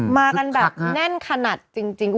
มากันแบบแน่นขนาดจริง